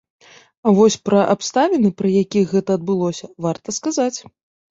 А вось пра абставіны, пры якіх гэта адбылося, варта сказаць.